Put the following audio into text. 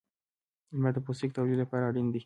• لمر د پوستکي د تولید لپاره اړین دی.